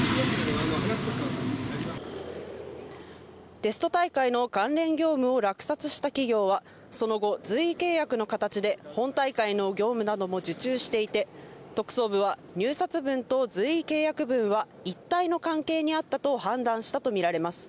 テスト大会の関連業務を落札した企業はその後、随意契約の形で本大会の業務なども受注していて、特捜部は入札分と随意契約分は一体の関係にあったと判断したとみられます。